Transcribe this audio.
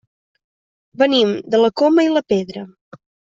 Venim de la Coma i la Pedra.